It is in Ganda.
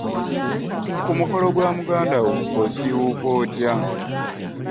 Ku mukolo gwa muganda wo osiiwuuka otya?